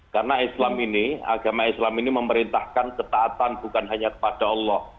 karena islam ini agama islam ini memerintahkan ketaatan bukan hanya kepada allah